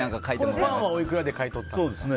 このパンはおいくらで買い取ったんですか？